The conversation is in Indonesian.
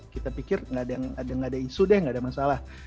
kita pikir nggak ada isu deh nggak ada masalah